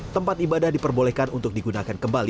tempat ibadah diperbolehkan untuk digunakan kembali